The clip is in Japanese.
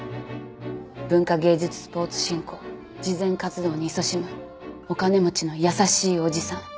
文化芸術スポーツ振興慈善活動にいそしむお金持ちの優しいおじさん。